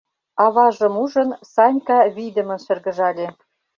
Аважым ужын, Санька вийдымын шыргыжале: